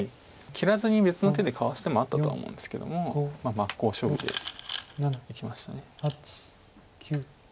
切らずに別の手でかわす手もあったとは思うんですけども真っ向勝負でいきました。